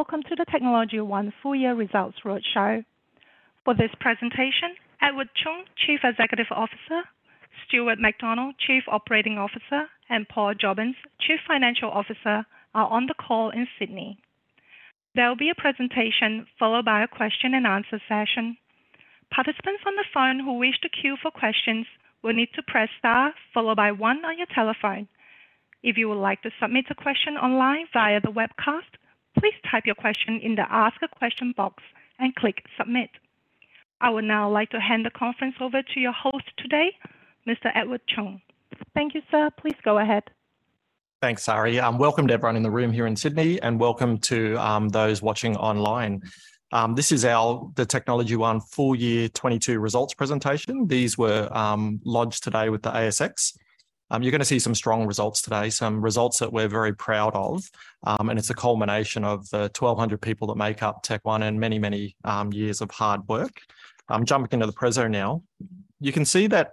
Hi, and welcome to the Technology One full year results roadshow. For this presentation, Edward Chung, Chief Executive Officer, Stuart MacDonald, Chief Operating Officer, and Paul Jobbins, Chief Financial Officer, are on the call in Sydney. There'll be a presentation followed by a question-and-answer session. Participants on the phone who wish to queue for questions will need to press star followed by one on your telephone. If you would like to submit a question online via the webcast, please type your question in the Ask a question box and click Submit. I would now like to hand the conference over to your host today, Mr. Edward Chung. Thank you, sir. Please go ahead. Thanks, Sari. Welcome to everyone in the room here in Sydney, and welcome to those watching online. This is our, the Technology One full year 2022 results presentation. These were lodged today with the ASX. You're gonna see some strong results today, some results that we're very proud of, and it's a culmination of the 1,200 people that make up Tech One and many, many years of hard work. I'm jumping into the presentation now. You can see that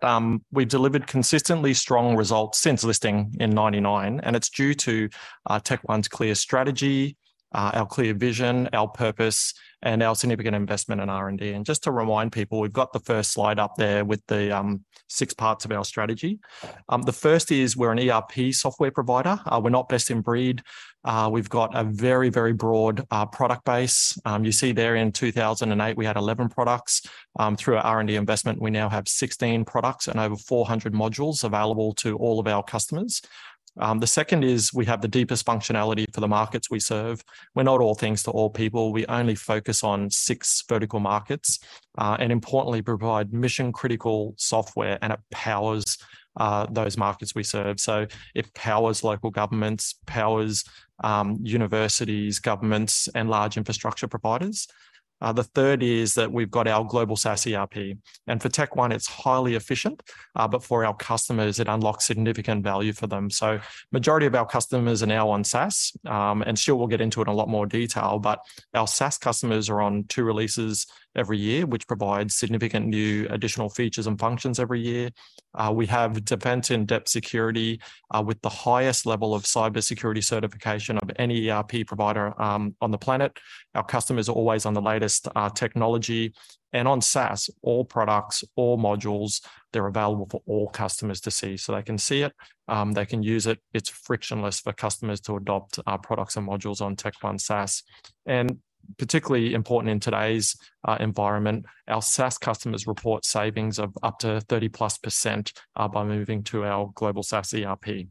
we've delivered consistently strong results since listing in 1999, and it's due to Tech One's clear strategy, our clear vision, our purpose, and our significant investment in R&D. Just to remind people, we've got the first slide up there with the six parts of our strategy. The first is we're an ERP software provider. We're not best-in-breed. We've got a very, very broad product base. You see there in 2008, we had 11 products. Through our R&D investment, we now have 16 products and over 400 modules available to all of our customers. The second is we have the deepest functionality for the markets we serve. We're not all things to all people. We only focus on six vertical markets, and importantly provide mission-critical software, and it powers those markets we serve. It powers local governments, powers universities, governments, and large infrastructure providers. The third is that we've got our global SaaS ERP, and for Tech One, it's highly efficient, but for our customers it unlocks significant value for them. Majority of our customers are now on SaaS, and Stuart will get into it in a lot more detail, but our SaaS customers are on two releases every year, which provides significant new additional features and functions every year. We have defense-in-depth security, with the highest level of cybersecurity certification of any ERP provider on the planet. Our customers are always on the latest technology and on SaaS. All products, all modules, they're available for all customers to see. They can see it, they can use it. It's frictionless for customers to adopt our products and modules on TechnologyOne SaaS. Particularly important in today's environment, our SaaS customers report savings of up to 30+%, by moving to our global SaaS ERP.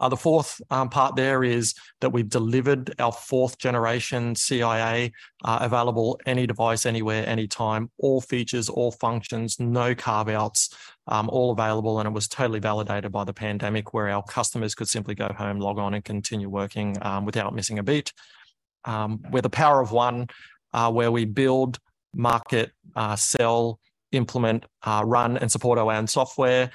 The fourth part there is that we've delivered our fourth generation CiA available any device, anywhere, anytime. All features, all functions, no carve-outs, all available, and it was totally validated by the pandemic where our customers could simply go home, log on, and continue working without missing a beat. We're the Power of One where we build, market, sell, implement, run and support our own software.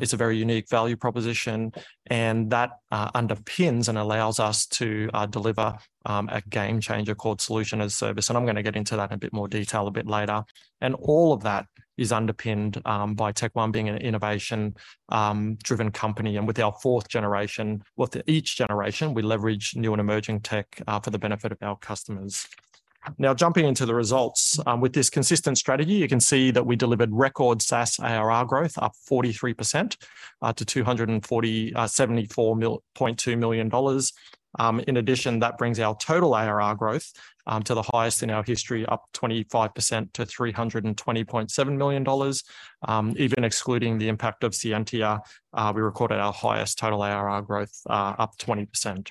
It's a very unique value proposition and that underpins and allows us to deliver a game changer called Solution as a Service. I'm gonna get into that in a bit more detail a bit later. All of that is underpinned by Tech One being an innovation driven company. With our fourth generation, with each generation, we leverage new and emerging tech for the benefit of our customers. Now, jumping into the results. With this consistent strategy, you can see that we delivered record SaaS ARR growth up 43% to 274.2 million dollars. In addition, that brings our total ARR growth to the highest in our history, up 25% to 320.7 million dollars. Even excluding the impact of Scientia, we recorded our highest total ARR growth up 20%.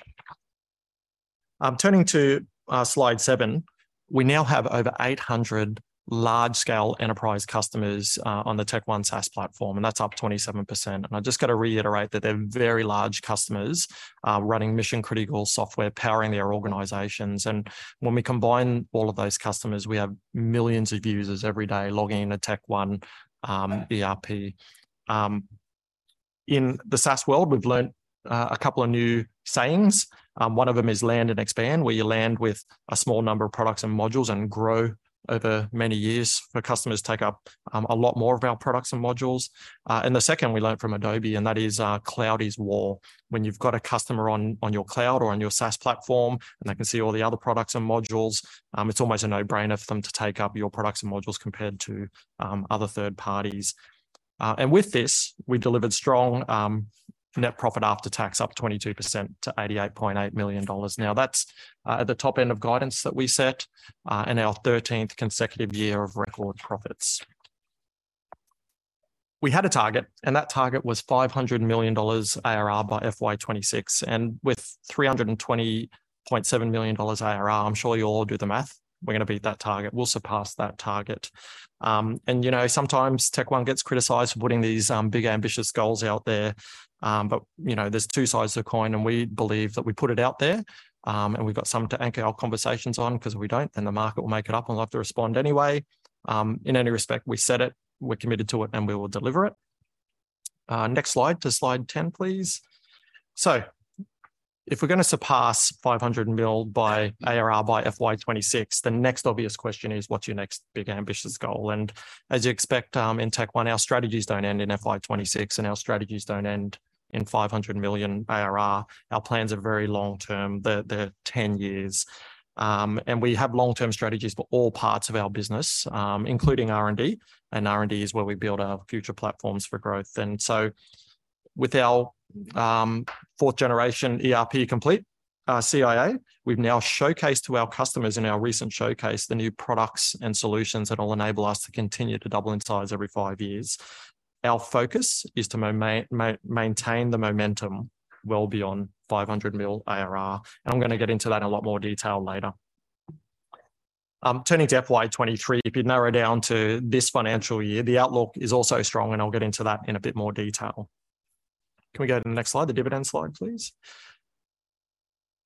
Turning to slide seven. We now have over 800 large-scale enterprise customers on the Tech One SaaS platform, that's up 27%. I just gotta reiterate that they're very large customers, running mission-critical software, powering their organizations. When we combine all of those customers, we have millions of users every day logging into Tech One ERP. In the SaaS world, we've learned a couple of new sayings. One of them is land and expand, where you land with a small number of products and modules and grow over many years for customers to take up a lot more of our products and modules. The second we learned from Adobe, and that is cloud is war. When you've got a customer on your cloud or on your SaaS platform, and they can see all the other products and modules, it's almost a no-brainer for them to take up your products and modules compared to other third parties. With this, we delivered strong net profit after tax up 22% to 88.8 million dollars. Now, that's at the top end of guidance that we set, and our 13th consecutive year of record profits. We had a target, and that target was 500 million dollars ARR by FY 2026, and with 320.7 million dollars ARR, I'm sure you'll all do the math. We're gonna beat that target. We'll surpass that target. You know, sometimes Technology One gets criticized for putting these big, ambitious goals out there. But, you know, there's two sides to the coin, and we believe that we put it out there, and we've got something to anchor our conversations on, 'cause if we don't, then the market will make it up and we'll have to respond anyway. In any respect, we said it, we're committed to it, and we will deliver it. Next slide, to slide 10, please. If we're gonna surpass 500 million by ARR by FY26, the next obvious question is, what's your next big ambitious goal? As you expect, in Technology One, our strategies don't end in FY26, and our strategies don't end in 500 million ARR. Our plans are very long-term. They're 10 years. We have long-term strategies for all parts of our business, including R&D, and R&D is where we build our future platforms for growth. With our 4th generation ERP complete, our CiA, we've now showcased to our customers in our recent showcase the new products and solutions that will enable us to continue to double in size every five years. Our focus is to maintain the momentum well beyond 500 mil ARR, I'm gonna get into that in a lot more detail later. Turning to FY23, if you narrow down to this financial year, the outlook is also strong, I'll get into that in a bit more detail. Can we go to the next slide, the dividend slide, please?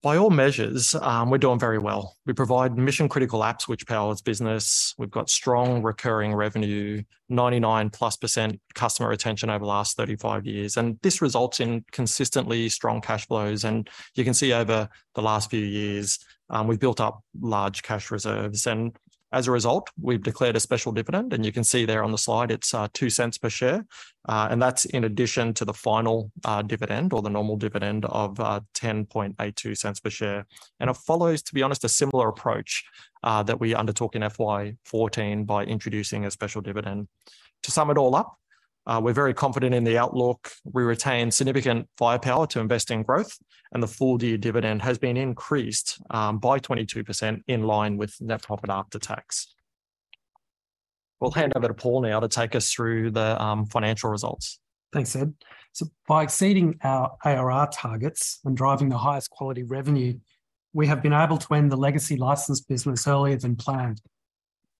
By all measures, we're doing very well. We provide mission-critical apps which powers business. We've got strong recurring revenue, 99+% customer retention over the last 35 years. This results in consistently strong cash flows. You can see over the last few years, we've built up large cash reserves. As a result, we've declared a special dividend, and you can see there on the slide, it's 0.02 per share. That's in addition to the final dividend or the normal dividend of 0.1082 per share. It follows, to be honest, a similar approach that we undertook in FY14 by introducing a special dividend. To sum it all up, we're very confident in the outlook. We retain significant firepower to invest in growth, and the full-year dividend has been increased by 22% in line with NPAT. We'll hand over to Paul now to take us through the financial results. Thanks, Ed. By exceeding our ARR targets and driving the highest quality revenue, we have been able to end the legacy license business earlier than planned.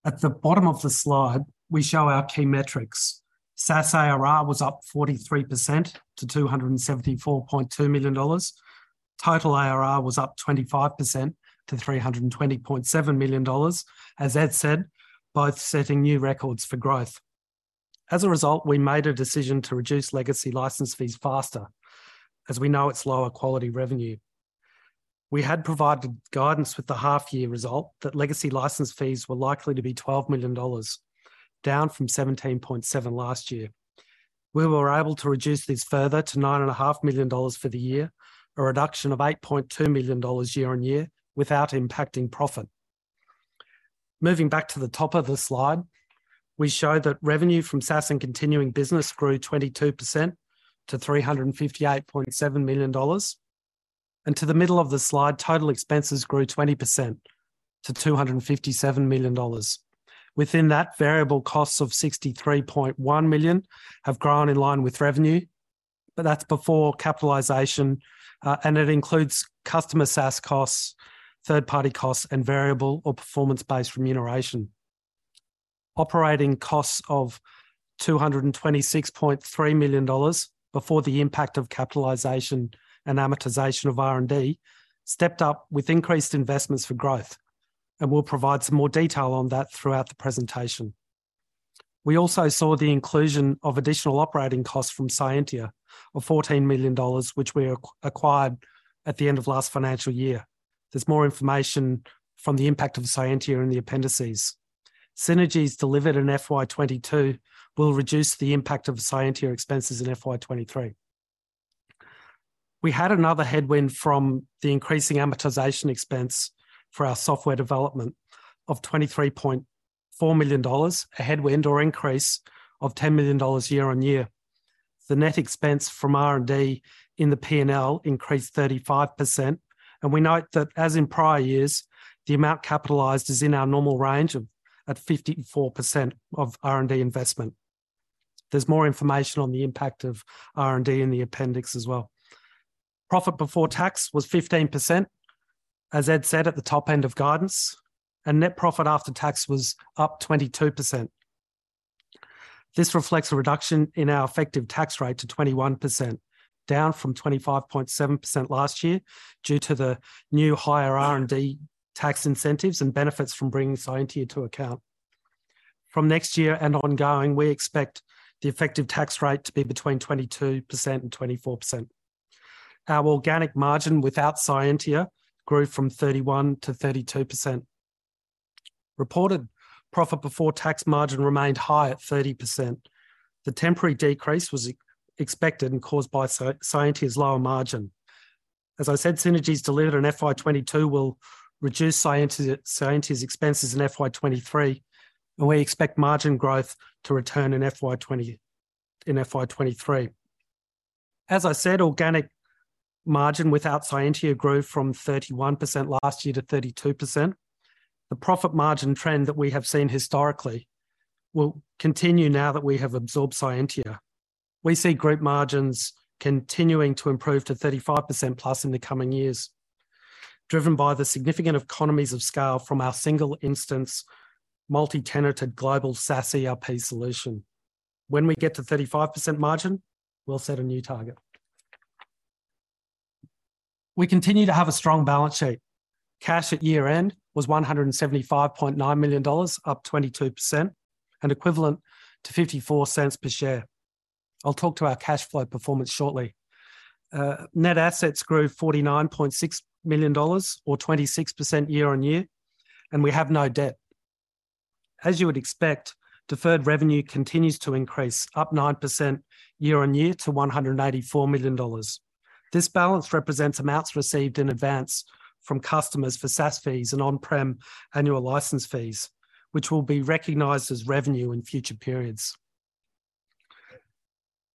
At the bottom of the slide, we show our key metrics. SaaS ARR was up 43% to 274.2 million dollars. Total ARR was up 25% to 320.7 million dollars. As Ed said, both setting new records for growth. We made a decision to reduce legacy license fees faster, as we know it's lower quality revenue. We had provided guidance with the half year result that legacy license fees were likely to be 12 million dollars, down from 17.7 million last year. We were able to reduce this further to 9.5 Million dollars for the year, a reduction of 8.2 million dollars year-on-year without impacting profit. Moving back to the top of the slide, we show that revenue from SaaS and continuing business grew 22% to 358.7 million dollars. To the middle of the slide, total expenses grew 20% to 257 million dollars. Within that, variable costs of 63.1 million have grown in line with revenue, that's before capitalization, and it includes customer SaaS costs, third-party costs, and variable or performance-based remuneration. Operating costs of 226.3 million dollars before the impact of capitalization and amortization of R&D stepped up with increased investments for growth, we'll provide some more detail on that throughout the presentation. We also saw the inclusion of additional operating costs from Scientia of 14 million dollars, which we acquired at the end of last financial year. There's more information from the impact of Scientia in the appendices. Synergies delivered in FY22 will reduce the impact of Scientia expenses in FY23. We had another headwind from the increasing amortization expense for our software development of 23.4 million dollars, a headwind or increase of 10 million dollars year-on-year. The net expense from R&D in the P&L increased 35%. We note that, as in prior years, the amount capitalized is in our normal range of, at 54% of R&D investment. There's more information on the impact of R&D in the appendix as well. Profit before tax was 15%, as Ed said, at the top end of guidance. Net profit after tax was up 22%. This reflects a reduction in our effective tax rate to 21%, down from 25.7% last year due to the new higher R&D tax incentives and benefits from bringing Scientia to account. From next year and ongoing, we expect the effective tax rate to be between 22% and 24%. Our organic margin without Scientia grew from 31% to 32%. Reported profit before tax margin remained high at 30%. The temporary decrease was expected and caused by Scientia's lower margin. As I said, synergies delivered in FY22 will reduce Scientia's expenses in FY23, and we expect margin growth to return in FY23. As I said, organic margin without Scientia grew from 31% last year to 32%. The profit margin trend that we have seen historically will continue now that we have absorbed Scientia. We see group margins continuing to improve to 35%+ in the coming years, driven by the significant economies of scale from our single-instance, multi-tenanted global SaaS ERP solution. When we get to 35% margin, we'll set a new target. We continue to have a strong balance sheet. Cash at year-end was 175.9 million dollars, up 22% and equivalent to 0.54 per share. I'll talk to our cash flow performance shortly. Net assets grew 49.6 million dollars or 26% year-over-year. We have no debt. As you would expect, deferred revenue continues to increase, up 9% year-over-year to 184 million dollars. This balance represents amounts received in advance from customers for SaaS fees and on-prem annual license fees, which will be recognized as revenue in future periods.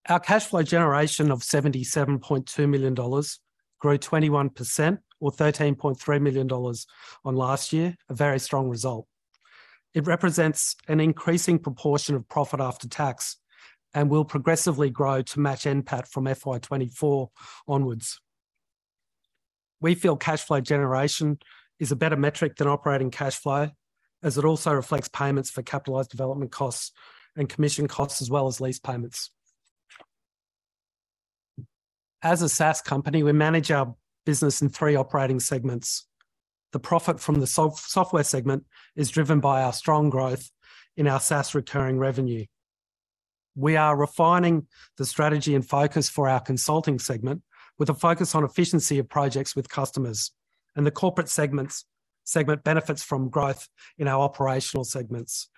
Our cash flow generation of 77.2 million dollars grew 21% or 13.3 million dollars on last year, a very strong result. It represents an increasing proportion of profit after tax and will progressively grow to match NPAT from FY 2024 onwards. We feel cash flow generation is a better metric than operating cash flow as it also reflects payments for capitalized development costs and commission costs, as well as lease payments. As a SaaS company, we manage our business in three operating segments. The profit from the software segment is driven by our strong growth in our SaaS recurring revenue. We are refining the strategy and focus for our consulting segment with a focus on efficiency of projects with customers. The corporate segments benefits from growth in our operational segments.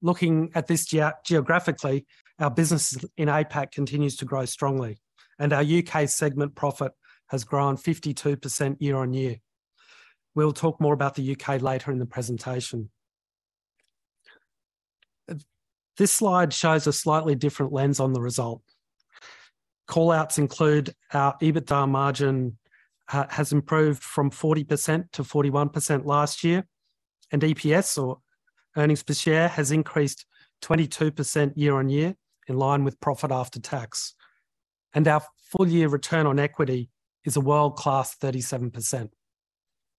Looking at this geographically, our business in APAC continues to grow strongly, and our UK segment profit has grown 52% year-on-year. We'll talk more about the UK later in the presentation. This slide shows a slightly different lens on the result. Call-outs include our EBITDA margin has improved from 40% to 41% last year, and EPS, or earnings per share, has increased 22% year-on-year in line with profit after tax. Our full-year return on equity is a world-class 37%.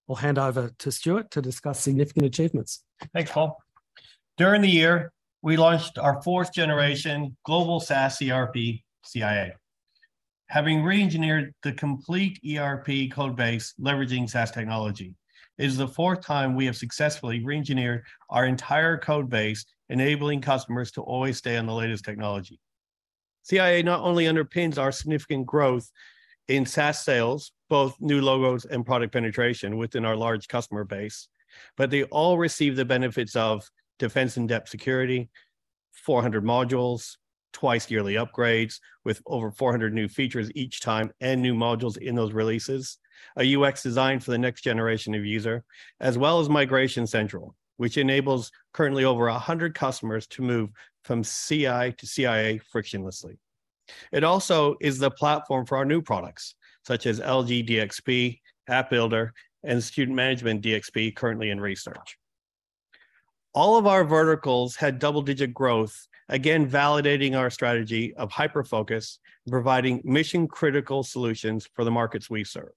I'll hand over to Stuart to discuss significant achievements. Thanks, Paul. During the year, we launched our fourth generation global SaaS ERP, CIA. Having reengineered the complete ERP code base leveraging SaaS technology is the fourth time we have successfully reengineered our entire code base, enabling customers to always stay on the latest technology. CIA not only underpins our significant growth in SaaS sales, both new logos and product penetration within our large customer base, but they all receive the benefits of defense-in-depth security, 400 modules, twice yearly upgrades with over 400 new features each time and new modules in those releases, a UX design for the next generation of user, as well as Migration Central, which enables currently over 100 customers to move from Ci to CIA frictionlessly. It also is the platform for our new products, such as LG DXP, App Builder, and Student Management DXP currently in research. All of our verticals had double-digit growth, again validating our strategy of hyper-focus, providing mission-critical solutions for the markets we serve.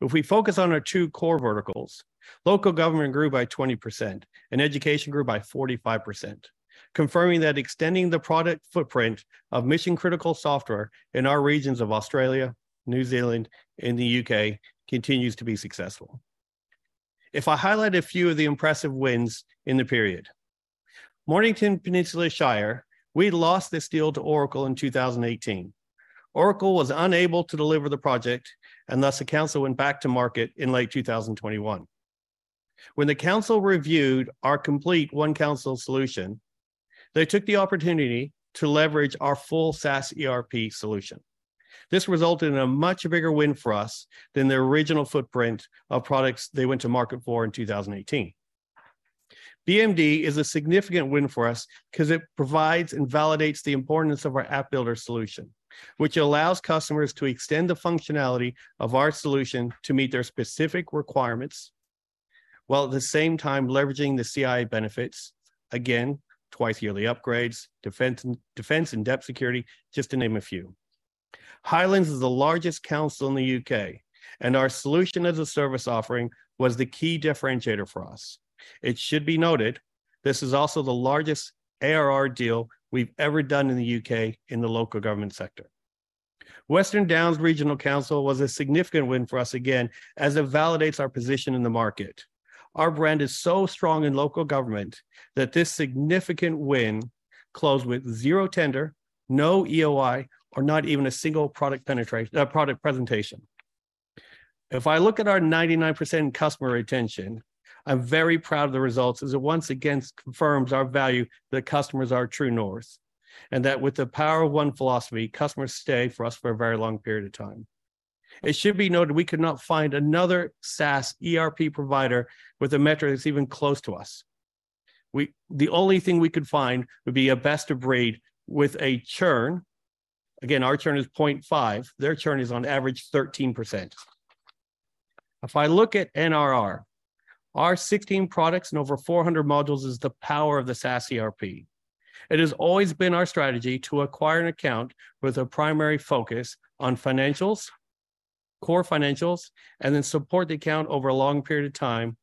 If we focus on our two core verticals, local government grew by 20%, and education grew by 45%, confirming that extending the product footprint of mission-critical software in our regions of Australia, New Zealand, and the UK continues to be successful. If I highlight a few of the impressive wins in the period. Mornington Peninsula Shire, we lost this deal to Oracle in 2018. Oracle was unable to deliver the project, and thus the council went back to market in late 2021. When the council reviewed our complete OneCouncil solution, they took the opportunity to leverage our full SaaS ERP solution. This resulted in a much bigger win for us than their original footprint of products they went to market for in 2018. BMD is a significant win for us 'cause it provides and validates the importance of our App Builder solution, which allows customers to extend the functionality of our solution to meet their specific requirements while at the same time leveraging the Ci benefits, again, twice yearly upgrades, defense-in-depth security, just to name a few. Highlands is the largest council in the UK, our Solution as a Service offering was the key differentiator for us. It should be noted, this is also the largest ARR deal we've ever done in the UK in the local government sector. Western Downs Regional Council was a significant win for us again, as it validates our position in the market. Our brand is so strong in local government that this significant win closed with zero tender, no EOI, or not even a single product presentation. If I look at our 99% customer retention, I'm very proud of the results as it once again confirms our value that customers are our true north, and that with the Power of One philosophy, customers stay for us for a very long period of time. It should be noted we could not find another SaaS ERP provider with a metric that's even close to us. The only thing we could find would be a best-in-breed with a churn. Again, our churn is 0.5%. Their churn is on average 13%. If I look at NRR, our 16 products and over 400 modules is the power of the SaaS ERP. It has always been our strategy to acquire an account with a primary focus on financials, core financials, and then support the account over a long period of time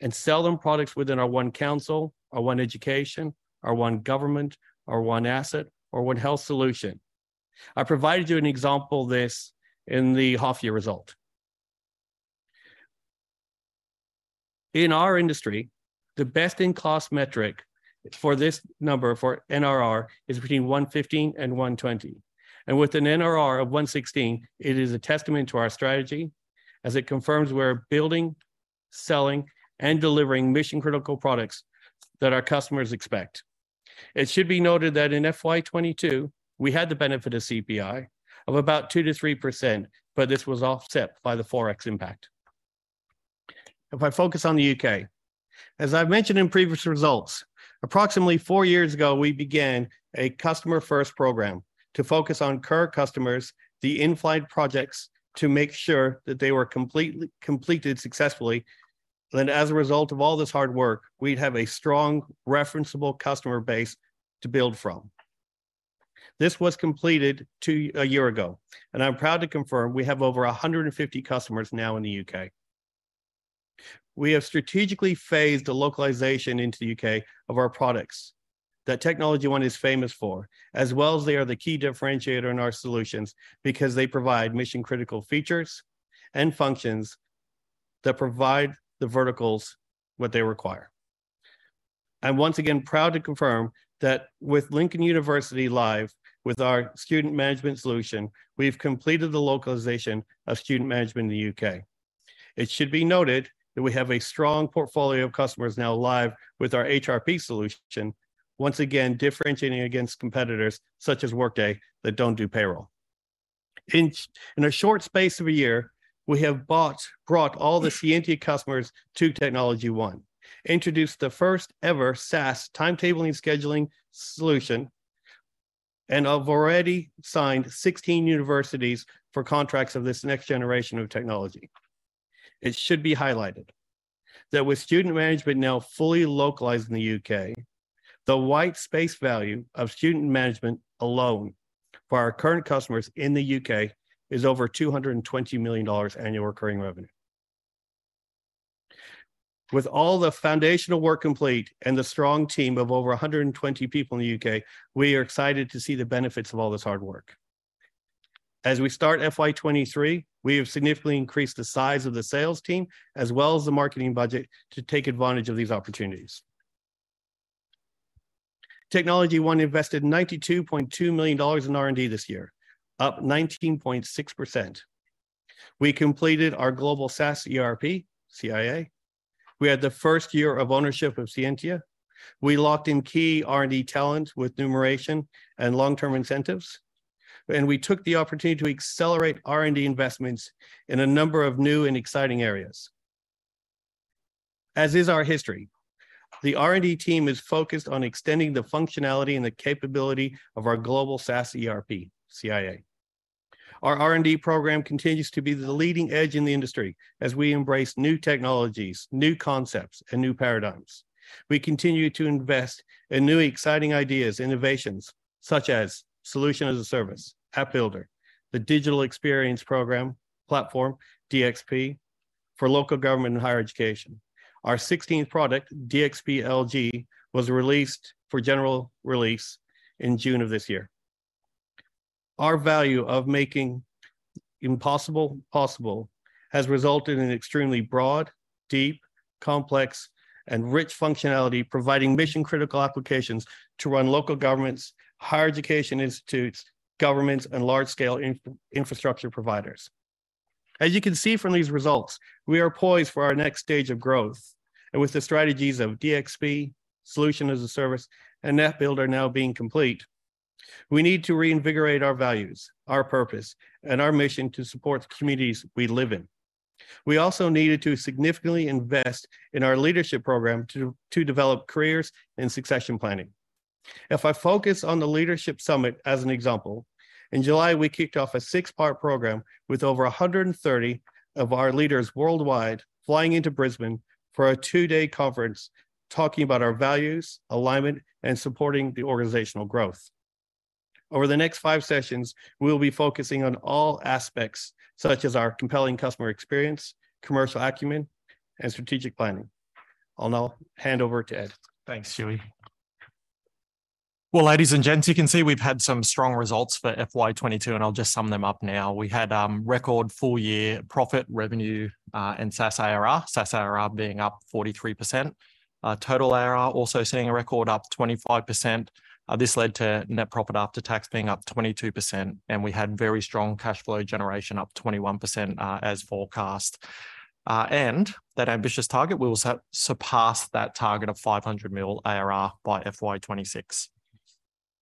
and sell them products within our OneCouncil, our one education, our one government, our one asset, or one health solution. I provided you an example of this in the half-year result. In our industry, the best in-class metric for this number, for NRR, is between 115 and 120. With an NRR of 116, it is a testament to our strategy as it confirms we're building, selling, and delivering mission-critical products that our customers expect. It should be noted that in FY 2022, we had the benefit of CPI of about 2%-3%, but this was offset by the Forex impact. If I focus on the UK, as I've mentioned in previous results, approximately four years ago, we began a customer-first program to focus on current customers, the in-flight projects, to make sure that they were completed successfully, and as a result of all this hard work, we'd have a strong referenceable customer base to build from. This was completed a year ago, and I'm proud to confirm we have over 150 customers now in the UK. We have strategically phased the localization into the UK of our products that TechnologyOne is famous for, as well as they are the key differentiator in our solutions because they provide mission-critical features and functions that provide the verticals what they require. I'm once again proud to confirm that with Lincoln University live with our student management solution, we've completed the localization of student management in the UK. It should be noted that we have a strong portfolio of customers now live with our HRP solution, once again differentiating against competitors such as Workday that don't do payroll. In a short space of a year, we have brought all the Scientia customers to TechnologyOne, introduced the first ever SaaS timetabling scheduling solution, and have already signed 16 universities for contracts of this next generation of technology. It should be highlighted that with student management now fully localized in the UK, the white space value of student management alone for our current customers in the UK is over 220 million dollars annual recurring revenue. With all the foundational work complete and the strong team of over 120 people in the UK, we are excited to see the benefits of all this hard work. As we start FY 2023, we have significantly increased the size of the sales team as well as the marketing budget to take advantage of these opportunities. TechnologyOne invested 92.2 million dollars in R&D this year, up 19.6%. We completed our global SaaS ERP, CiA. We had the first year of ownership of Scientia. We locked in key R&D talent with numeration and long-term incentives. We took the opportunity to accelerate R&D investments in a number of new and exciting areas. As is our history, the R&D team is focused on extending the functionality and the capability of our global SaaS ERP, CiA. Our R&D program continues to be the leading edge in the industry as we embrace new technologies, new concepts, and new paradigms. We continue to invest in new exciting ideas, innovations such as Solution as a Service, App Builder, the Digital Experience Platform, DXP, for local government and higher education. Our 16th product, DXP LG, was released for general release in June of this year. Our value of making impossible possible has resulted in extremely broad, deep, complex, and rich functionality, providing mission-critical applications to run local governments, higher education institutes, governments, and large-scale infrastructure providers. As you can see from these results, we are poised for our next stage of growth. With the strategies of DXP, Solution as a Service, and App Builder now being complete, we need to reinvigorate our values, our purpose, and our mission to support the communities we live in. We also needed to significantly invest in our leadership program to develop careers and succession planning. If I focus on the leadership summit as an example, in July, we kicked off a six-part program with over 130 of our leaders worldwide flying into Brisbane for a two-day conference talking about our values, alignment, and supporting the organizational growth. Over the next five sessions, we'll be focusing on all aspects, such as our compelling customer experience, commercial acumen, and strategic planning. I'll now hand over to Ed. Thanks, Stuey. Well, ladies and gents, you can see we've had some strong results for FY 2022, I'll just sum them up now. We had record full-year profit, revenue, and SaaS ARR, SaaS ARR being up 43%. Total ARR also seeing a record up 25%. This led to net profit after tax being up 22%, we had very strong cash flow generation up 21%, as forecast. That ambitious target, we will surpass that target of 500 million ARR by FY 2026.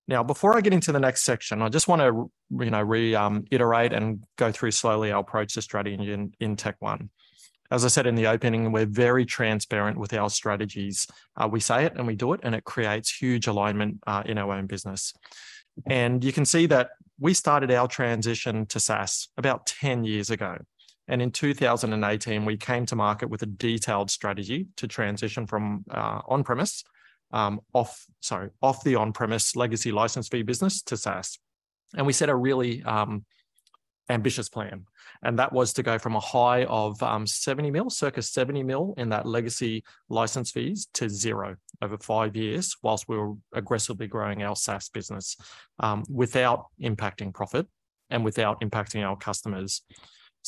Now, before I get into the next section, I just wanna you know, iterate and go through slowly our approach to strategy in Technology One. As I said in the opening, we're very transparent with our strategies. We say it and we do it, and it creates huge alignment in our own business. You can see that we started our transition to SaaS about 10 years ago. In 2018, we came to market with a detailed strategy to transition from on-premise legacy license fee business to SaaS. We set a really ambitious plan. That was to go from a high of 70 million, circa 70 million, in that legacy license fees to zero over five years whilst we were aggressively growing our SaaS business without impacting profit and without impacting our customers.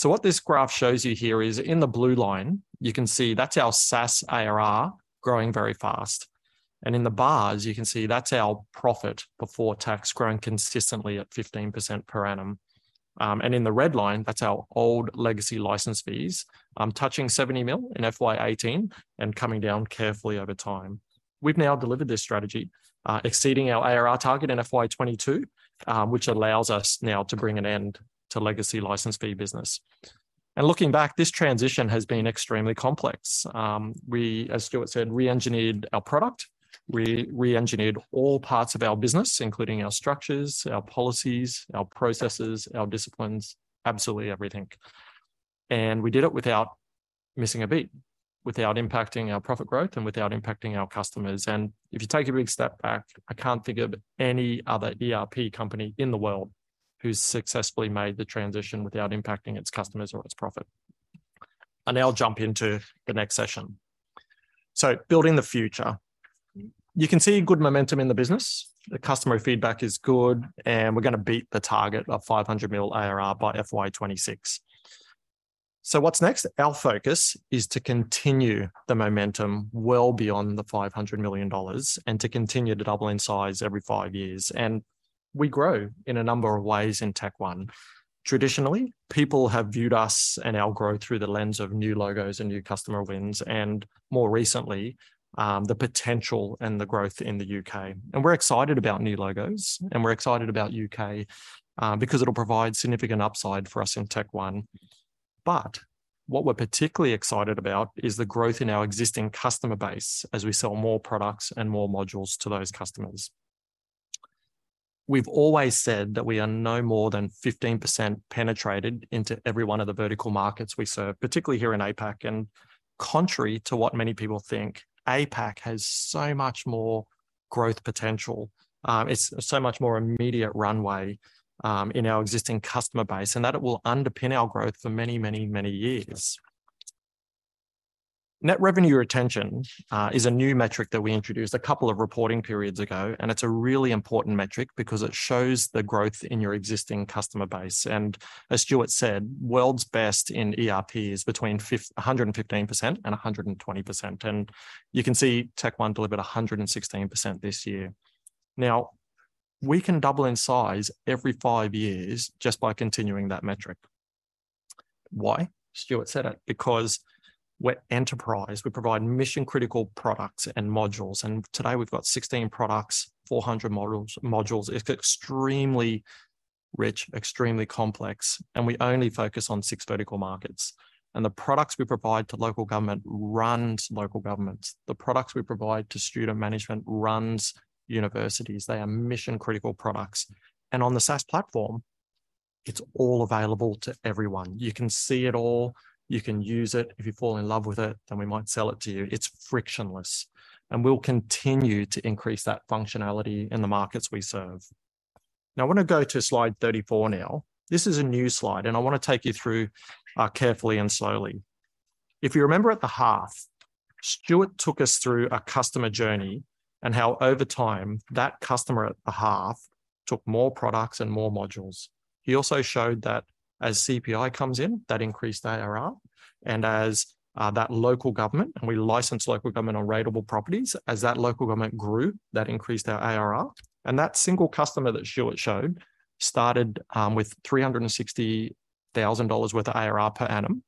What this graph shows you here is in the blue line, you can see that's our SaaS ARR growing very fast. In the bars, you can see that's our profit before tax growing consistently at 15% per annum. In the red line, that's our old legacy license fees, touching 70 million in FY 2018 and coming down carefully over time. We've now delivered this strategy, exceeding our ARR target in FY 2022, which allows us now to bring an end to legacy license fee business. Looking back, this transition has been extremely complex. We, as Stuart said, re-engineered our product. We re-engineered all parts of our business, including our structures, our policies, our processes, our disciplines, absolutely everything. We did it without missing a beat, without impacting our profit growth, and without impacting our customers. If you take a big step back, I can't think of any other ERP company in the world who's successfully made the transition without impacting its customers or its profit. I'll now jump into the next session. Building the future. You can see good momentum in the business. The customer feedback is good, and we're gonna beat the target of 500 mil ARR by FY 2026. What's next? Our focus is to continue the momentum well beyond the 500 million dollars and to continue to double in size every five years. We grow in a number of ways in Techone. Traditionally, people have viewed us and our growth through the lens of new logos and new customer wins and, more recently, the potential and the growth in the UK. We're excited about new logos, and we're excited about UK because it'll provide significant upside for us in TechnologyOne. What we're particularly excited about is the growth in our existing customer base as we sell more products and more modules to those customers. We've always said that we are no more than 15% penetrated into every one of the vertical markets we serve, particularly here in APAC. Contrary to what many people think, APAC has so much more growth potential. It's so much more immediate runway in our existing customer base, and that it will underpin our growth for many, many, many years. Net Revenue Retention is a new metric that we introduced a couple of reporting periods ago, and it's a really important metric because it shows the growth in your existing customer base. As Stuart said, world's best in ERP is between 115%-120%. You can see Techone delivered 116% this year. Now, we can double in size every five years just by continuing that metric. Why? Stuart said it. We're enterprise, we provide mission-critical products and modules, and today we've got 16 products, 400 modules. It's extremely rich, extremely complex, we only focus on six vertical markets. The products we provide to local government runs local governments. The products we provide to student management runs universities. They are mission-critical products. On the SaaS platform, it's all available to everyone. You can see it all. You can use it. If you fall in love with it, then we might sell it to you. It's frictionless, and we'll continue to increase that functionality in the markets we serve. I wanna go to slide 34 now. This is a new slide, and I wanna take you through carefully and slowly. If you remember at the half, Stuart took us through a customer journey and how over time, that customer at the half took more products and more modules. He also showed that as CPI comes in, that increased ARR, and as that local government, and we license local government on rateable properties, as that local government grew, that increased our ARR. That single customer that Stuart showed started with 360,000 dollars worth of ARR per annum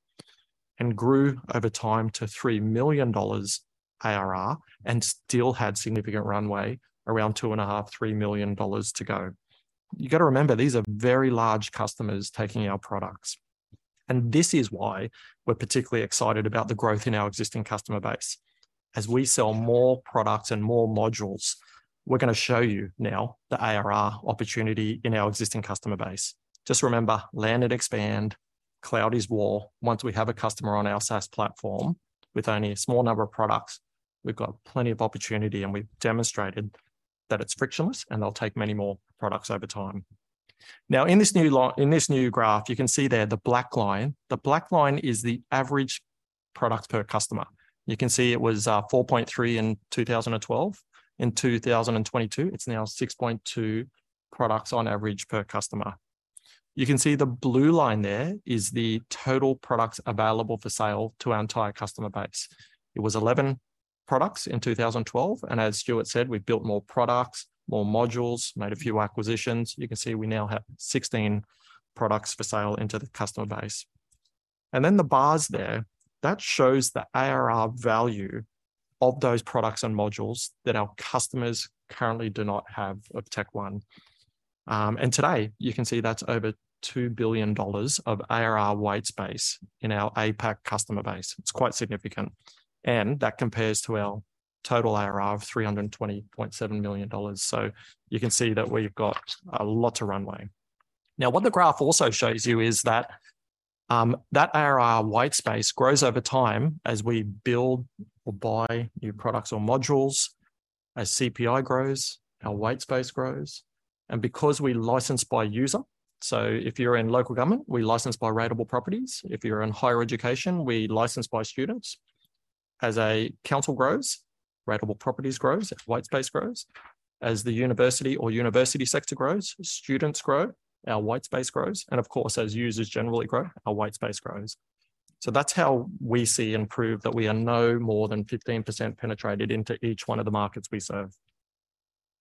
and grew over time to 3 million dollars ARR and still had significant runway, around 2.5 million-3 million dollars to go. You gotta remember, these are very large customers taking our products. This is why we're particularly excited about the growth in our existing customer base. As we sell more products and more modules, we're gonna show you now the ARR opportunity in our existing customer base. Just remember, land and expand, cloud is war. Once we have a customer on our SaaS platform with only a small number of products, we've got plenty of opportunity, and we've demonstrated that it's frictionless, and they'll take many more products over time. In this new graph, you can see there the black line. The black line is the average products per customer. You can see it was 4.3 in 2012. In 2022, it's now 6.2 products on average per customer. You can see the blue line there is the total products available for sale to our entire customer base. It was 11 products in 2012, and as Stuart said, we've built more products, more modules, made a few acquisitions. You can see we now have 16 products for sale into the customer base. The bars there, that shows the ARR value of those products and modules that our customers currently do not have of Technology One. And today, you can see that's over 2 billion dollars of ARR white space in our APAC customer base. It's quite significant. That compares to our total ARR of 320.7 million dollars. You can see that we've got a lot of runway. What the graph also shows you is that ARR whitespace grows over time as we build or buy new products or modules. As CPI grows, our whitespace grows. Because we license by user, so if you're in local government, we license by rateable properties, if you're in higher education, we license by students. As a council grows, rateable properties grows, if whitespace grows. As the university or university sector grows, students grow, our whitespace grows. Of course, as users generally grow, our whitespace grows. That's how we see and prove that we are no more than 15% penetrated into each one of the markets we serve.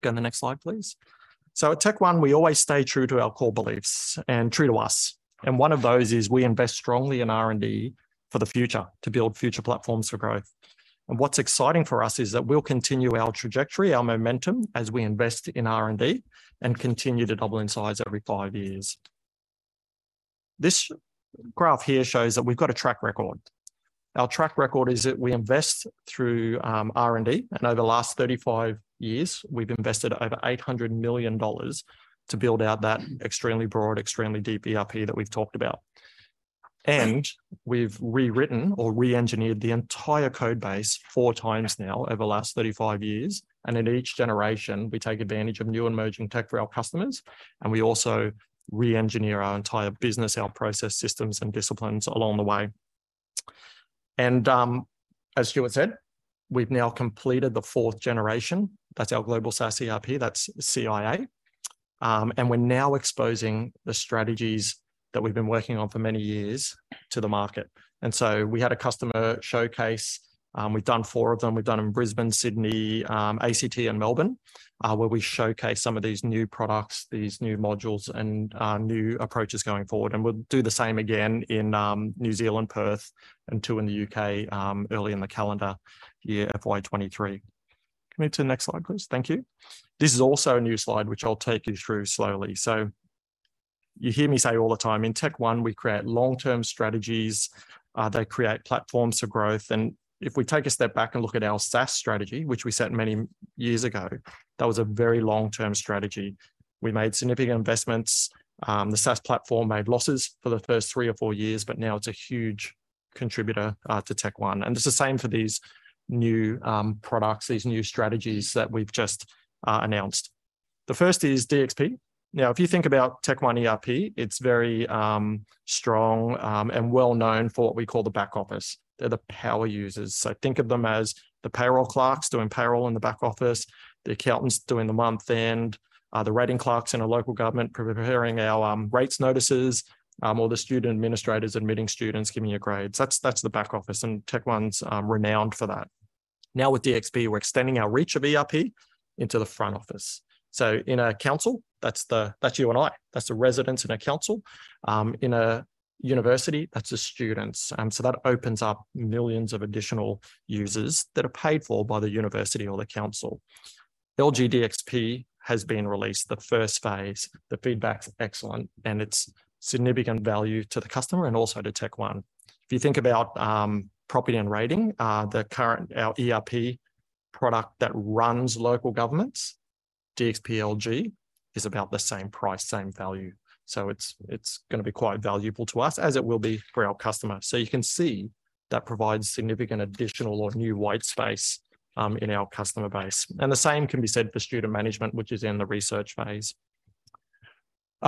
Go on the next slide, please. At Technology One, we always stay true to our core beliefs and true to us, and one of those is we invest strongly in R&D for the future to build future platforms for growth. What's exciting for us is that we'll continue our trajectory, our momentum as we invest in R&D and continue to double in size every five years. This graph here shows that we've got a track record. Our track record is that we invest through R&D, and over the last 35 years, we've invested over 800 million dollars to build out that extremely broad, extremely deep ERP that we've talked about. We've rewritten or reengineered the entire codebase four times now over the last 35 years, in each generation, we take advantage of new emerging tech for our customers, we also reengineer our entire business, our process systems and disciplines along the way. As Stuart said, we've now completed the fourth generation. That's our global SaaS ERP, that's CiA. We're now exposing the strategies that we've been working on for many years to the market. So we had a customer showcase, we've done four of them. We've done them in Brisbane, Sydney, ACT and Melbourne, where we showcase some of these new products, these new modules, and new approaches going forward. We'll do the same again in New Zealand, Perth, and two in the UK early in the calendar year of FY 2023. Can we turn next slide, please? Thank you. This is also a new slide, which I'll take you through slowly. You hear me say all the time, in TechOne, we create long-term strategies that create platforms for growth. If we take a step back and look at our SaaS strategy, which we set many years ago, that was a very long-term strategy. We made significant investments. The SaaS platform made losses for the first three or four years, but now it's a huge contributor to TechOne. It's the same for these new products, these new strategies that we've just announced. The first is DXP. If you think about TechOne ERP, it's very strong and well known for what we call the back office. They're the power users. Think of them as the payroll clerks doing payroll in the back office, the accountants doing the month-end, the rating clerks in a local government preparing our rates notices, or the student administrators admitting students, giving you grades. That's the back office, and TechnologyOne's renowned for that. Now with DXP, we're extending our reach of ERP into the front office. In a council, that's you and I. That's the residents in a council. In a university, that's the students. That opens up millions of additional users that are paid for by the university or the council. LG DXP has been released, the first phase. The feedback's excellent and it's significant value to the customer and also to TechnologyOne. If you think about property and rating, the current, our ERP product that runs local governments, DXP LG, is about the same price, same value. It's gonna be quite valuable to us, as it will be for our customers. You can see that provides significant additional or new whitespace in our customer base. The same can be said for student management, which is in the research phase.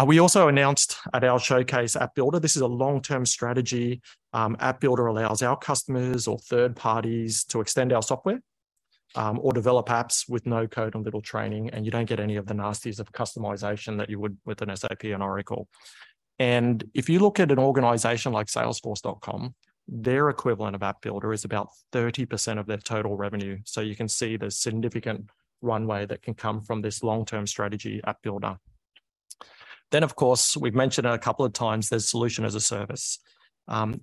We also announced at our showcase App Builder, this is a long-term strategy. App Builder allows our customers or third parties to extend our software, or develop apps with no code and little training, you don't get any of the nasties of customization that you would with an SAP and Oracle. If you look at an organization like Salesforce.com, their equivalent of App Builder is about 30% of their total revenue. You can see the significant runway that can come from this long-term strategy, App Builder. Of course, we've mentioned it a couple of times, there's Solution as a Service.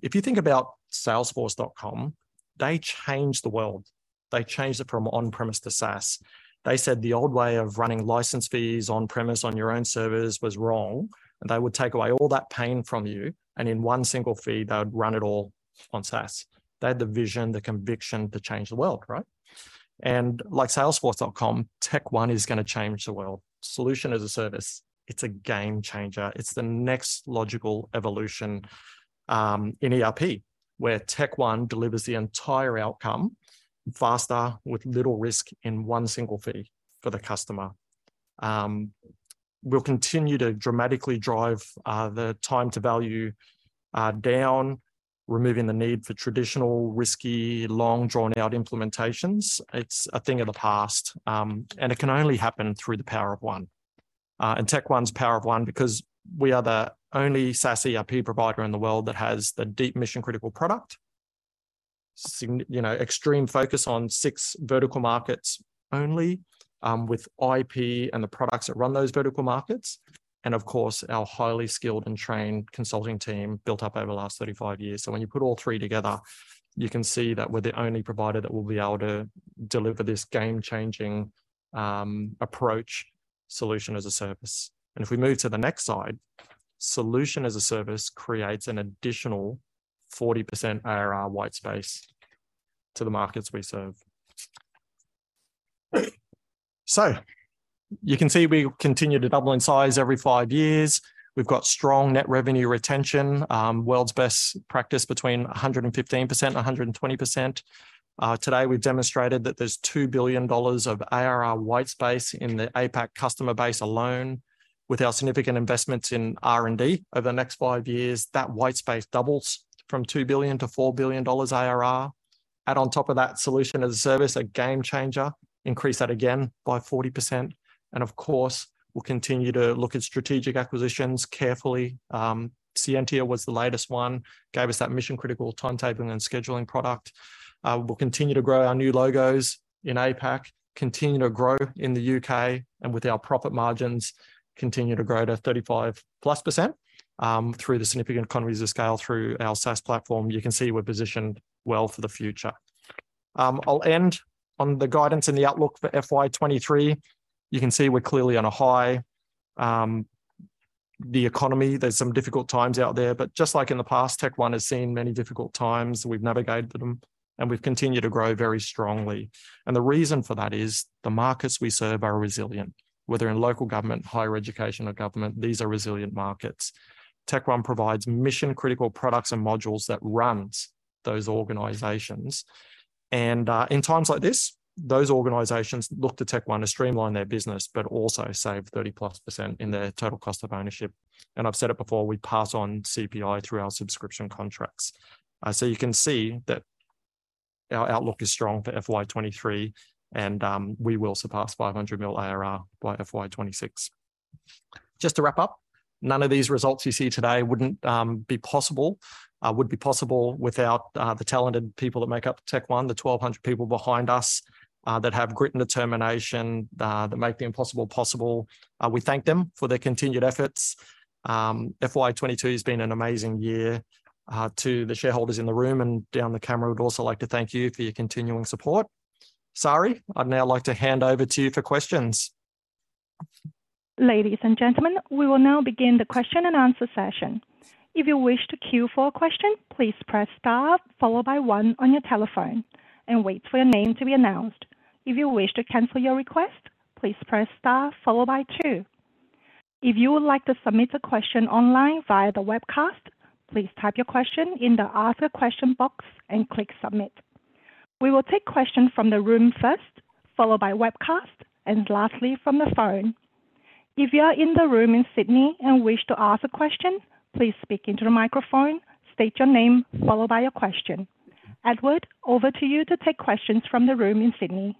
If you think about Salesforce.com, they changed the world. They changed it from on-premise to SaaS. They said the old way of running license fees on-premise on your own servers was wrong, and they would take away all that pain from you, and in one single fee, they would run it all on SaaS. They had the vision, the conviction to change the world, right? Like Salesforce.com, TechnologyOne is gonna change the world. Solution as a Service, it's a game changer. It's the next logical evolution in ERP, where TechOne delivers the entire outcome faster with little risk in one single fee for the customer. We'll continue to dramatically drive the time to value down, removing the need for traditional, risky, long, drawn-out implementations. It's a thing of the past. It can only happen through the Power of One. TechOne's Power of One because we are the only SaaS ERP provider in the world that has the deep mission-critical product, you know, extreme focus on six vertical markets only, with IP and the products that run those vertical markets, and of course, our highly skilled and trained consulting team built up over the last 35 years. When you put all three together, you can see that we're the only provider that will be able to deliver this game-changing approach Solution as a Service. If we move to the next slide, Solution as a Service creates an additional 40% ARR white space to the markets we serve. So, you can see we continue to double in size every five years. We've got strong Net Revenue Retention, world's best practice between 115%-120%. Today we've demonstrated that there's $2 billion of ARR white space in the APAC customer base alone. With our significant investments in R&D over the next five years, that white space doubles from $2 billion to $4 billion ARR. Add on top of that Solution as a Service, a game changer, increase that again by 40%. Of course, we'll continue to look at strategic acquisitions carefully. Scientia was the latest one, gave us that mission-critical timetabling and scheduling product. We'll continue to grow our new logos in APAC, continue to grow in the UK. With our profit margins, continue to grow to 35+%, through the significant economies of scale through our SaaS platform. You can see we're positioned well for the future. I'll end on the guidance and the outlook for FY23. You can see we're clearly on a high. The economy, there's some difficult times out there, but just like in the past, TechOne has seen many difficult times. We've navigated them, and we've continued to grow very strongly. The reason for that is the markets we serve are resilient. Whether in local government, higher education or government, these are resilient markets. TechOne provides mission-critical products and modules that runs those organizations. In times like this, those organizations look to Technology One to streamline their business, but also save 30%+ in their total cost of ownership. I've said it before, we pass on CPI through our subscription contracts. So you can see that our outlook is strong for FY23, we will surpass 500 million ARR by FY26. Just to wrap up, none of these results you see today would be possible without the talented people that make up Technology One, the 1,200 people behind us that have grit and determination that make the impossible possible. We thank them for their continued efforts. FY22 has been an amazing year. To the shareholders in the room and down the camera, we'd also like to thank you for your continuing support. Sari, I'd now like to hand over to you for questions. Ladies and gentlemen, we will now begin the question and answer session. If you wish to queue for a question, please press star followed by one on your telephone and wait for your name to be announced. If you wish to cancel your request, please press star followed by two. If you would like to submit a question online via the webcast, please type your question in the ask a question box and click submit. We will take questions from the room first, followed by webcast, and lastly from the phone. If you are in the room in Sydney and wish to ask a question, please speak into the microphone, state your name, followed by your question. Edward, over to you to take questions from the room in Sydney.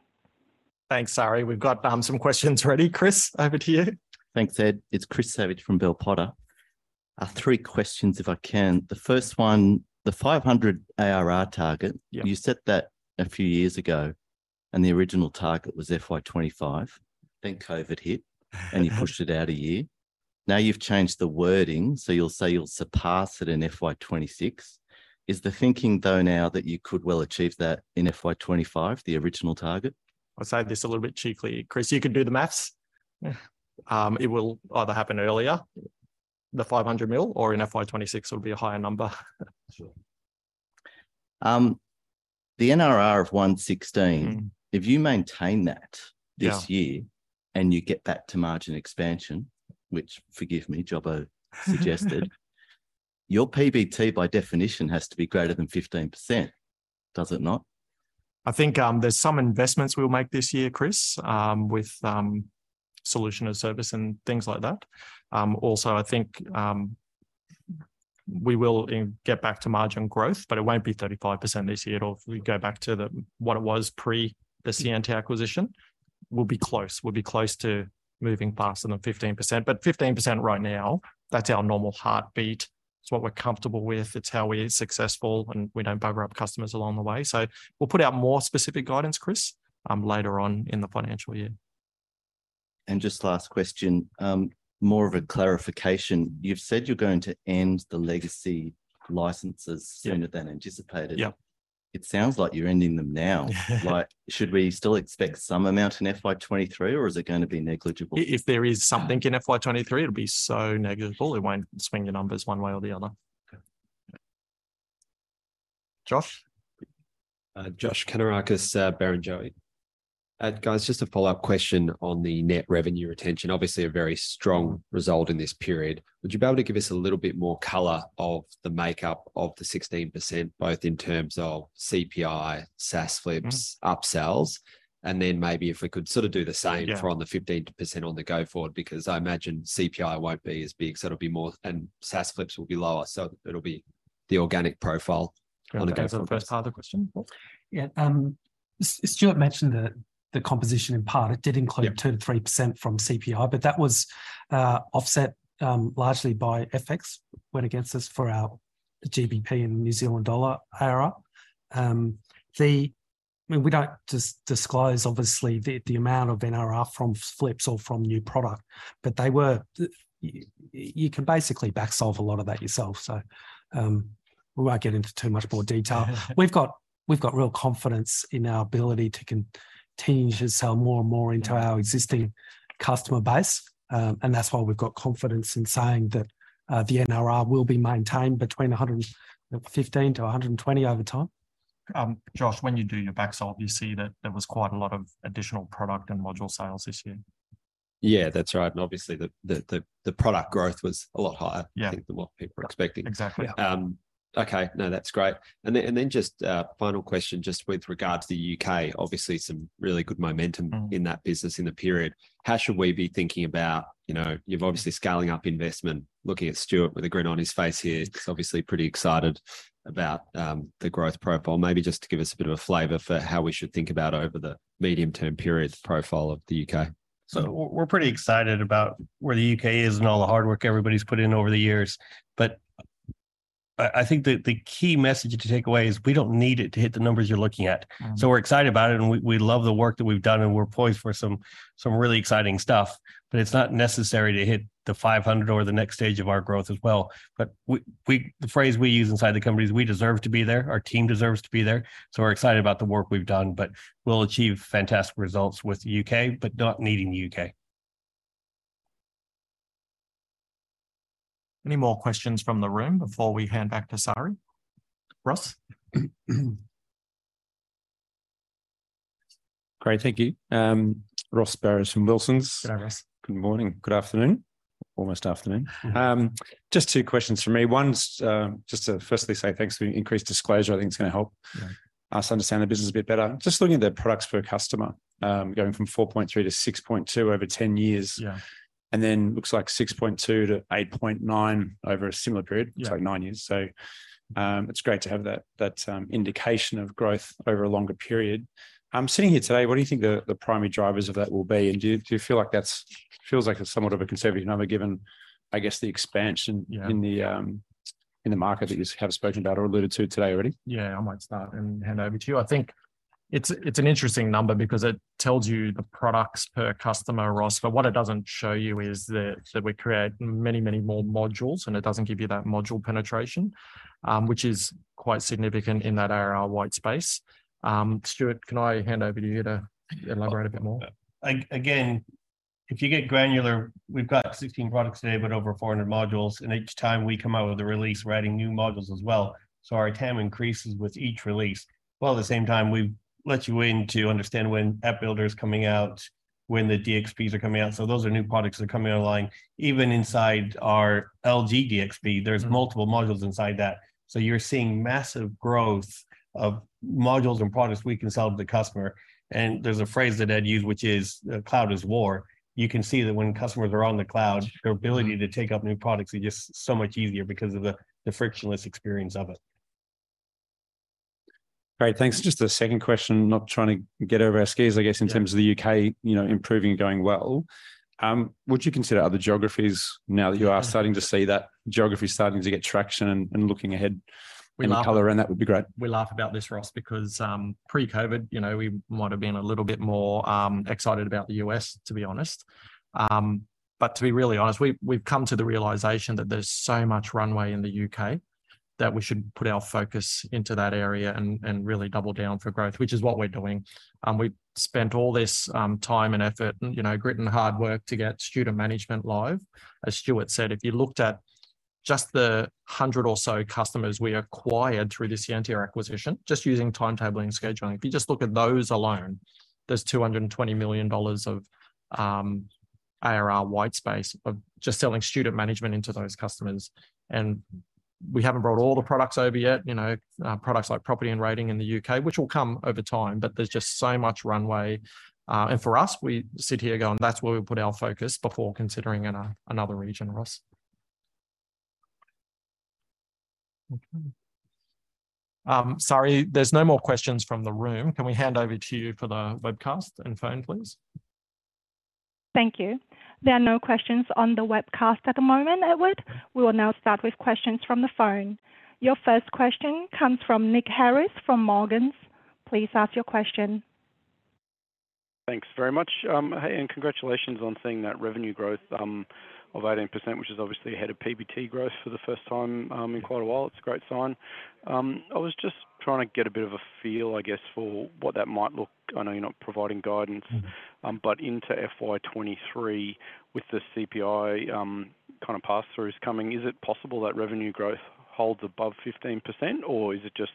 Thanks, Sari. We've got some questions ready. Chris, over to you. Thanks, Ed. It's Chris Savage from Bell Potter. Three questions if I can. The first one, the 500 ARR target. Yeah. You set that a few years ago, and the original target was FY25. COVID hit. Uh-huh And you pushed it out a year. Now you've changed the wording, so you'll say you'll surpass it in FY26. Is the thinking though now that you could well achieve that in FY25, the original target? I'll say this a little bit cheekily, Chris. You can do the math. Yeah. It will either happen earlier, the 500 million, or in FY26 it will be a higher number. Sure. the NRR of 116- Mm-hmm... if you maintain that this year... Yeah Your PBT by definition has to be greater than 15%, does it not? I think, there's some investments we'll make this year, Chris, with solution and service and things like that. Also I think, we will get back to margin growth, but it won't be 35% this year at all. If we go back to what it was pre the Scientia acquisition, we'll be close. We'll be close to moving past the 15%. 15% right now, that's our normal heartbeat. It's what we're comfortable with. It's how we're successful, we don't bugger up customers along the way. We'll put out more specific guidance, Chris, later on in the financial year. Just last question, more of a clarification. You've said you're going to end the legacy licenses. Yeah ...sooner than anticipated. Yeah. It sounds like you're ending them now. Like, should we still expect some amount in FY23 or is it gonna be negligible? If there is something in FY23, it'll be so negligible, it won't swing the numbers one way or the other. Okay. Josh? Josh Kannourakis, Barrenjoey. Guys, just a follow-up question on the Net Revenue Retention, obviously a very strong result in this period. Would you be able to give us a little bit more color of the makeup of the 16%, both in terms of CPI, SaaS flips, upsells? Maybe if we could sort of do the same... Yeah... for on the 15% on the go forward, because I imagine CPI won't be as big, so it'll be more and SaaS flips will be lower, so it'll be the organic profile on the go forward. Do you want to answer the first part of the question, Paul? Yeah. Stuart mentioned the composition in part. It did include- Yeah... 2%-3% from CPI, but that was offset largely by FX went against us for our GBP and New Zealand dollar ARR. I mean, we don't disclose obviously the amount of NRR from flips or from new product, but they were. You can basically back solve a lot of that yourself. We won't get into too much more detail. We've got real confidence in our ability to continue to sell more and more into our existing customer base. That's why we've got confidence in saying that the NRR will be maintained between 115%-120% over time. Josh, when you do your back solve, you see that there was quite a lot of additional product and module sales this year. Yeah, that's right. obviously the product growth was a lot higher- Yeah... I think, than what people were expecting. Exactly. Yeah. Okay. No, that's great. Just a final question just with regard to the UK, obviously some really good momentum. Mm in that business in the period. How should we be thinking about, you know, you've obviously scaling up investment, looking at Stuart with a grin on his face here. He's obviously pretty excited about the growth profile. Maybe just to give us a bit of a flavor for how we should think about over the medium term period the profile of the UK. We're pretty excited about where the UK is and all the hard work everybody's put in over the years. I think the key message to take away is we don't need it to hit the numbers you're looking at. Mm. We're excited about it and we love the work that we've done, and we're poised for some really exciting stuff. It's not necessary to hit the 500 or the next stage of our growth as well. We, the phrase we use inside the company is, "We deserve to be there. Our team deserves to be there." We're excited about the work we've done, but we'll achieve fantastic results with the UK, but not needing the UK. Any more questions from the room before we hand back to Ari? Ross? Great. Thank you. Ross Barrows from Wilsons. G'day, Ross. Good morning, good afternoon. Almost afternoon. just two questions from me. One's, just to firstly say thanks for the increased disclosure. I think it's gonna. Yeah... us understand the business a bit better. Just looking at the products per customer, going from 4.3 to 6.2 over 10 years. Yeah. Looks like 6.2-8.9 over a similar period. Yeah nine years. It's great to have that indication of growth over a longer period. Sitting here today, what do you think the primary drivers of that will be? Do you feel like it feels like a somewhat of a conservative number given, I guess, the expansion- Yeah... in the, in the market that you have spoken about or alluded to today already. Yeah. I might start and hand over to you. I think it's an interesting number because it tells you the products per customer, Ross. What it doesn't show you is that we create many, many more modules, and it doesn't give you that module penetration, which is quite significant in that ARR white space. Stuart, can I hand over to you to elaborate a bit more? Again, if you get granular, we've got 16 products today, but over 400 modules, and each time we come out with a release, we're adding new modules as well. Our TAM increases with each release. While at the same time, we've let you in to understand when App Builder is coming out, when the DXPs are coming out. Those are new products that are coming online. Even inside our LG DXP, there's multiple modules inside that. You're seeing massive growth of modules and products we can sell to the customer. There's a phrase that Ed used, which is, "Cloud is war." You can see that when customers are on the cloud, their ability to take up new products is just so much easier because of the frictionless experience of it. Great. Thanks. Just a second question, not trying to get over our skis, I guess, in terms of the UK, you know, improving and going well. Would you consider other geographies now that you are starting to see that geography starting to get traction and looking ahead... We laugh- any color in that would be great. We laugh about this, Ross, because pre-COVID, you know, we might have been a little bit more excited about the US, to be honest. To be really honest, we've come to the realization that there's so much runway in the UK that we should put our focus into that area and really double down for growth, which is what we're doing. We've spent all this time and effort and, you know, grit and hard work to get student management live. As Stuart said, if you looked at just the 100 or so customers we acquired through the Scientia acquisition, just using timetabling and scheduling, if you just look at those alone, there's 220 million dollars of ARR white space of just selling student management into those customers. We haven't brought all the products over yet, you know, products like property and rating in the UK, which will come over time, but there's just so much runway. For us, we sit here going, "That's where we'll put our focus before considering another region," Ross. Okay. Sari, there's no more questions from the room. Can we hand over to you for the webcast and phone, please? Thank you. There are no questions on the webcast at the moment, Edward. We will now start with questions from the phone. Your first question comes from Nick Harris from Morgans. Please ask your question. Thanks very much. Hey, congratulations on seeing that revenue growth, of 18%, which is obviously ahead of PBT growth for the first time, in quite a while. It's a great sign. I was just trying to get a bit of a feel, I guess, for what that might look... I know you're not providing guidance. Mm. Into FY 2023 with the CPI, kind of pass-throughs coming, is it possible that revenue growth holds above 15%, or is it just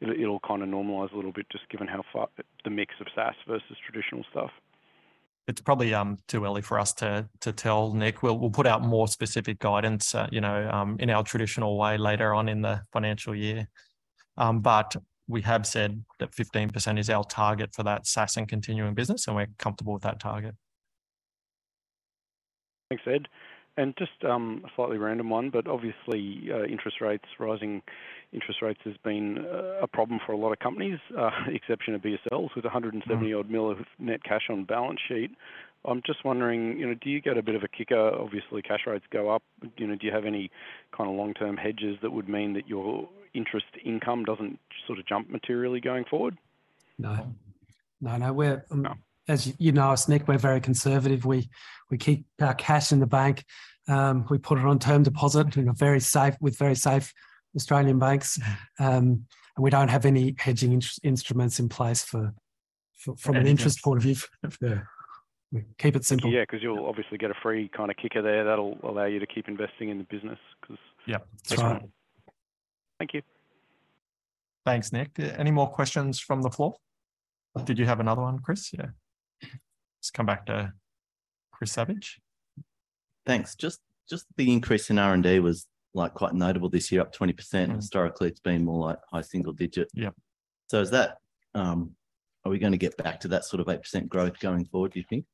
it'll kind of normalize a little bit just given how far the mix of SaaS versus traditional stuff? It's probably too early for us to tell, Nick. We'll put out more specific guidance, you know, in our traditional way later on in the financial year. We have said that 15% is our target for that SaaS and continuing business, and we're comfortable with that target. Thanks, Ed. Just a slightly random one, but obviously, interest rates, rising interest rates has been a problem for a lot of companies, exception of Technology One with 170 million of net cash on balance sheet. I'm just wondering, you know, do you get a bit of a kicker? Obviously, cash rates go up. You know, do you have any kind of long-term hedges that would mean that your interest income doesn't sort of jump materially going forward? No. No, no. No... as you know us, Nick, we're very conservative. We keep our cash in the bank. We put it on term deposit with very safe Australian banks. We don't have any hedging instruments in place for- From an interest point of view, if, we keep it simple. Yeah, 'cause you'll obviously get a free kind of kicker there that'll allow you to keep investing in the business. Yeah. That's right. Thank you. Thanks, Nick. Any more questions from the floor? Did you have another one, Chris? Yeah. Let's come back to Chris Savage. Thanks. Just the increase in R&D was, like, quite notable this year, up 20%. Mm. Historically, it's been more like high single digit. Yep. Are we gonna get back to that sort of 8% growth going forward, do you think?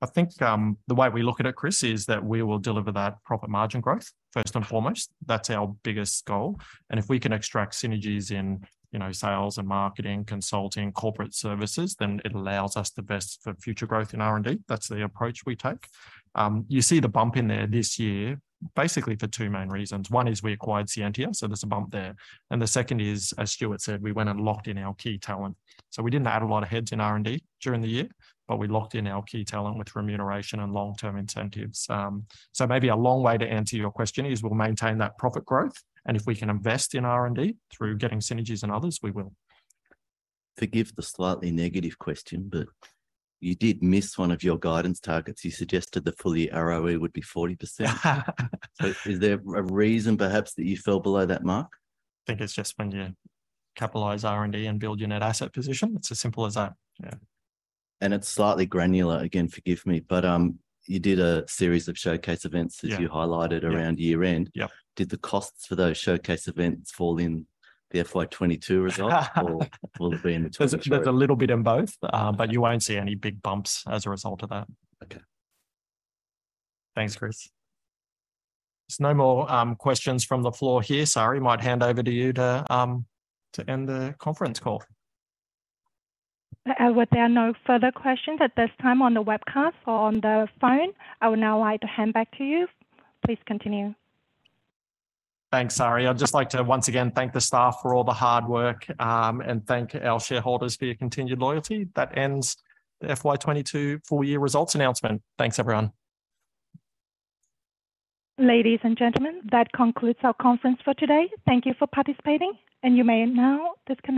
I think, the way we look at it, Chris, is that we will deliver that profit margin growth first and foremost. That's our biggest goal. If we can extract synergies in, you know, sales and marketing, consulting, corporate services, then it allows us to invest for future growth in R&D. That's the approach we take. You see the bump in there this year basically for two main reasons. One is we acquired Scientia, so there's a bump there. The second is, as Stuart said, we went and locked in our key talent. We didn't add a lot of heads in R&D during the year, but we locked in our key talent with remuneration and long-term incentives. Maybe a long way to answer your question is we'll maintain that profit growth, and if we can invest in R&D through getting synergies and others, we will. Forgive the slightly negative question, but you did miss one of your guidance targets. You suggested the full year ROE would be 40%. Is there a reason perhaps that you fell below that mark? Think it's just when you capitalize R&D and build your net asset position. It's as simple as that. Yeah. It's slightly granular. Again, forgive me, but, you did a series of showcase events- Yeah ...that you highlighted Yeah around year-end. Yeah. Did the costs for those showcase events fall in the FY 22 results or will it be in the 23? There's a little bit in both. Okay. You won't see any big bumps as a result of that. Okay. Thanks, Chris. If there's no more questions from the floor here, Sari might hand over to you to end the conference call. With there are no further questions at this time on the webcast or on the phone, I would now like to hand back to you. Please continue. Thanks, Sari. I'd just like to once again thank the staff for all the hard work, and thank our shareholders for your continued loyalty. That ends the FY 22 full year results announcement. Thanks, everyone. Ladies and gentlemen, that concludes our conference for today. Thank you for participating, and you may now disconnect.